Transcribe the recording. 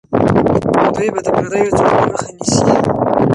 دوی به د پردیو ځواک مخه نیسي.